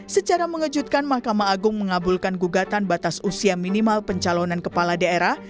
secara mengejutkan mahkamah agung mengabulkan gugatan batas usia minimal pencalonan kepala daerah